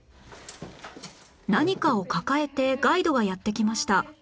何かを抱えてガイドがやって来ました